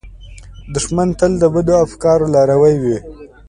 دښمن تل د بدو افکارو لاروي وي